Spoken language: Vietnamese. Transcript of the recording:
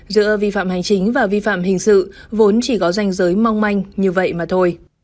giữa vi phạm hành chính và vi phạm hình sự vốn chỉ có danh giới mong manh như vậy mà thôi